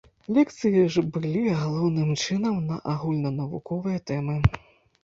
Лекцыі ж былі, галоўным чынам, на агульнанавуковыя тэмы.